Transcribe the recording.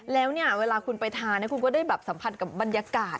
แล้วเนี่ยเวลาคุณไปทานคุณก็ได้แบบสัมผัสกับบรรยากาศ